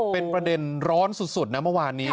เป็นประเด็นร้อนสุดนะเมื่อวานนี้